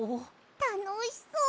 たのしそう。